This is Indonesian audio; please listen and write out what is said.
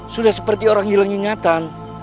sudah seperti orang hilang ingatan